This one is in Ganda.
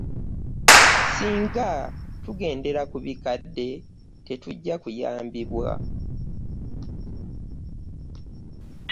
Ssinga tugendera ku bikadde tetujja kuyambibwa.